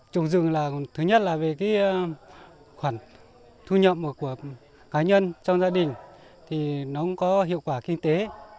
trồng rừng là thứ nhất là về cái khoản thu nhập của cá nhân trong gia đình thì nó cũng có hiệu quả kinh tế